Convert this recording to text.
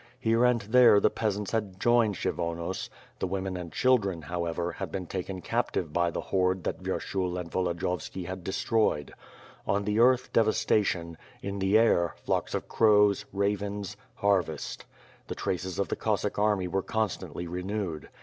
Here and there the peasants had joined Kshyvonos. The women and children, however, had been taken captive by the horde that Vyershul and Volodiyovski had destroyed. On the earth devastation; in the air, flocks of crows, ravens, ^harvest. The traces of the Cossack army were constantly renewed.